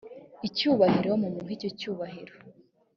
icyubahiro mumuhe icyo cyubahiro